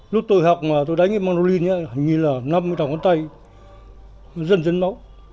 lúc tôi học mà tôi đánh cái mandolin ấy hình như là năm mươi thằng con tay dần dần đó